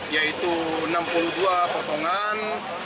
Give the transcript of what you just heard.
yaitu enam puluh dua potongan